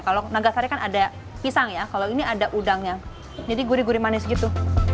kalau nagasari kan ada pisang ya kalau ini ada udangnya jadi gurih gurih manis gitu